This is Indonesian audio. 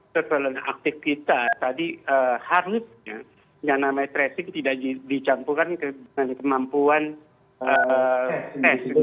surveillance aktif kita tadi harusnya yang namanya tracing tidak dicampurkan dengan kemampuan tes